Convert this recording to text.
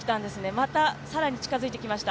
また更に近づいてきました。